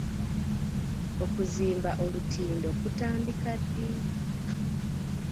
Okuzimba olutindo kutandika ddi?